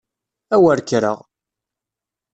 A wer kkreɣ!